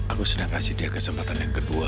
aku sedang kasih dia kesempatan yang kedua